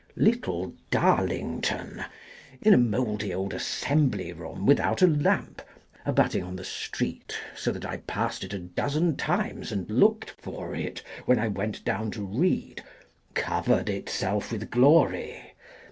Little Darlington — in a mouldy old Assembly Room without a Lamp abutting on the street, so that I passed it a dozen times and looked for it, when I went down to read — covered itself with glory.